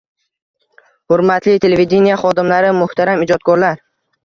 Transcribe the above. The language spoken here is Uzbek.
–Hurmatli televideniye xodimlari, muhtaram ijodkorlar!